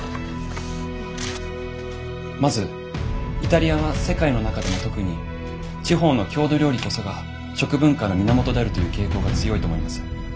まずイタリアは世界の中でも特に「地方の郷土料理こそが食文化の源である」という傾向が強いと思います。